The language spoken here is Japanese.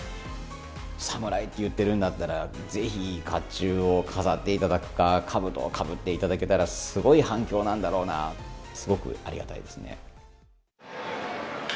侍って言ってるんだったら、ぜひ、かっちゅうを飾っていただくか、かぶとをかぶっていただけたら、すごい反響なんだろうなと、すごくありがたいですね。